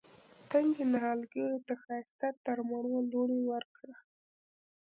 تنکي نهالګیو ته ښایسته ترمڼو لوڼې ورکړه